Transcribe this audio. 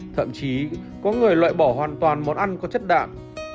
thậm chí có người loại bỏ hoàn toàn món ăn có chất đạm